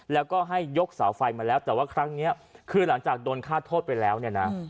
แล้วก็ให้ยกเสาไฟมาแล้วแต่ว่าครั้งนี้คือหลังจากโดนฆ่าโทษไปแล้วเนี่ยนะ